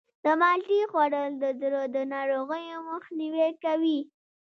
د مالټې خوړل د زړه د ناروغیو مخنیوی کوي.